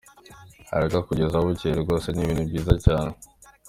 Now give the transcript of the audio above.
Haraka kugeza bukeye, rwose ni ibintu byiza cyane.